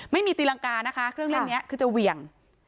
ตีรังกานะคะเครื่องเล่นนี้คือจะเหวี่ยง